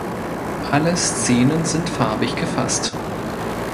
Alle Szenen sind farbig gefasst.